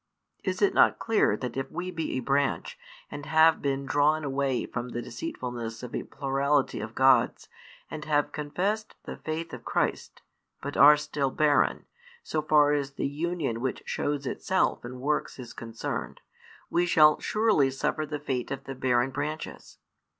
Is it not clear that if we be a branch, and have been drawn away from the deceitfulness of a plurality of gods, and have confessed the faith of Christ, but are still barren, so far as the union which shows itself in works is concerned, we shall surely suffer the fate of the barren branches?